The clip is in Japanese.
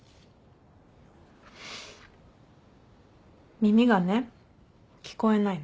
耳がね聞こえないの。